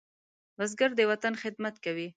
بزګر د وطن خدمت کوي